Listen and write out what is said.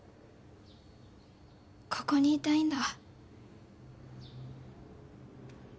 ここにいたいんだ。